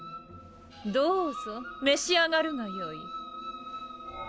どうぞ召し上がるがよい。